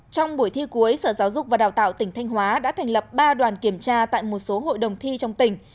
trong buổi thi cuối sở giáo dục và đào tạo tỉnh thanh hóa đã thành lập ba đoàn kiểm tra tại một số hội đồng thi trong tỉnh